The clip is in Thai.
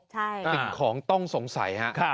สิ่งของต้องสงสัยฮะ